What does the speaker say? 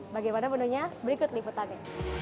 bagaimana benunya berikut liputannya